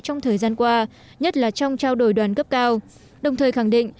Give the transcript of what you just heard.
trong thời gian qua nhất là trong trao đổi đoàn cấp cao đồng thời khẳng định